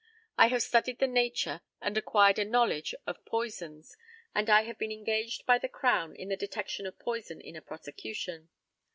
I have studied the nature and acquired a knowledge of poisons, and I have been engaged by the Crown in the detection of poison in a prosecution.